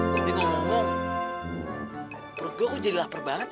tapi ngomong ngomong perut gue kok jadi lapar banget